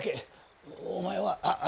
お前はああっち。